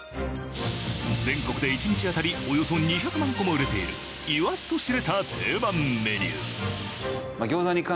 全国で一日当たりおよそ２００万個も売れている言わずと知れた定番メニュー。